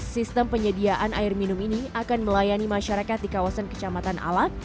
sistem penyediaan air minum ini akan melayani masyarakat di kawasan kecamatan alak